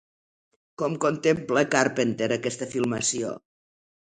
Com contempla, Carpenter, aquesta filmació?